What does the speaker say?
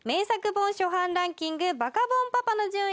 本初版ランキングバカボンパパの順位